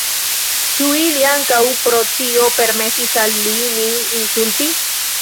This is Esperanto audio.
Ĉu ili ankaŭ pro tio permesis al li nin insulti?